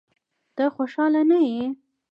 ته خوشاله نه یې؟